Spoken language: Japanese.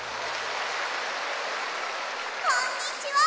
こんにちは！